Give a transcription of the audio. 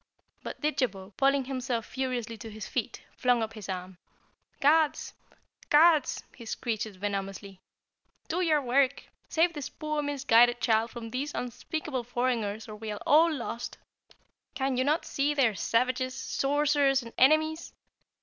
But Didjabo pulling himself furiously to his feet, flung up his arm. "Guards! Guards!" he screeched venomously, "Do your work! Save this poor, misguided child from these unspeakable foreigners or we are all lost. Can you not see they are savages, sorcerers and enemies?